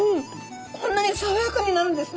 こんなにさわやかになるんですね。